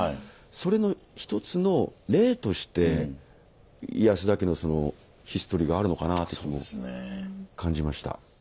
それの１つの例として安田家のそのヒストリーがあるのかなぁって気も感じました。